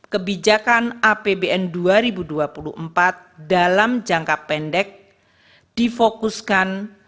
kebijakan apbn dua ribu dua puluh empat dalam jangka pendek difokuskan